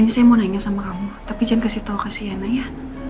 ini saya mau nanya sama kamu tapi jangan kasih tau ke sienna ya